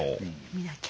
見なきゃ。